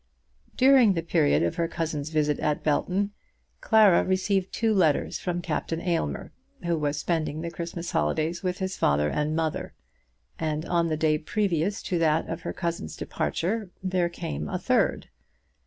During the period of her cousin's visit at Belton, Clara received two letters from Captain Aylmer, who was spending the Christmas holidays with his father and mother, and on the day previous to that of her cousin's departure there came a third.